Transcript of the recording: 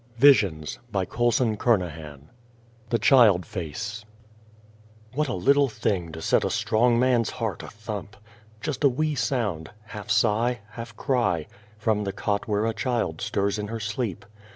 XI THE^CHILD RACE B THE@CHIL, DFACE WHAT a little thing to set a strong man's heart a thump ! Just a wee sound half sigh, half cry from the cot where a child stirs in her sleep.